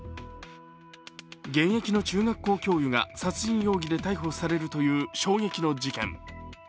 現役の中学校教諭が殺人容疑で逮捕されるという衝撃の事件。